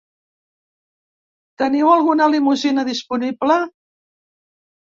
Teniu alguna limusina disponible?